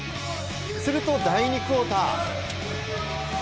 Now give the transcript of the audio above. すると第２クオーター。